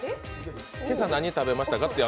今朝、何食べましたか？